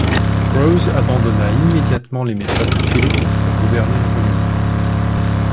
Grose abandonna immédiatement les méthodes de Phillip pour gouverner la colonie.